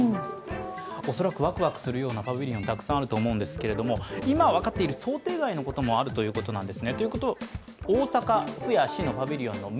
恐らく、ワクワクするようなパビリオン、たくさんあると思いますけど今分かっている想定外のこともあるということです。